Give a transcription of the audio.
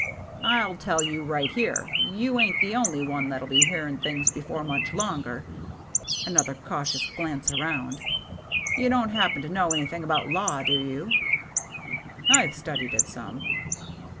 " I'll tell you right here, you ain't the only one that'll be hearin' things before much longer." Another cautious glance around. "You don't happen to know anythin' about law, do you ?"" I've studied it some."